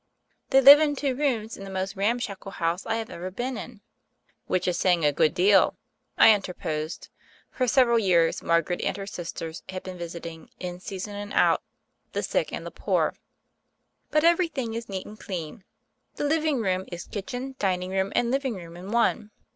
"They live in two rooms in the most ram shackle house I have ever been in." "Which is saying a good deal," I interposed. For several years Margaret and her sisters had been visiting, in season and out, the sick and the poor. "But everything is neat and clean. The living room is kitchen, dining room and living room in one.